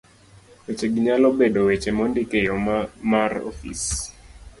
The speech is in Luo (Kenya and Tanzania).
Wechegi nyalo bedo weche mondik e yo ma mar ofis